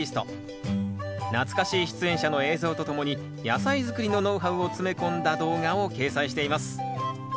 懐かしい出演者の映像とともに野菜づくりのノウハウを詰め込んだ動画を掲載しています。